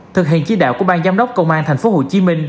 thực hiện chi đạo của ban giám đốc công an tp hcm